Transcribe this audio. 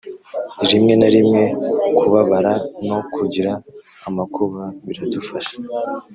rimwe na rimwe kubabara no kugira amakuba biradufasha